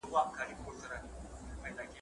هر انسان به خپل عیبونه سمولای ,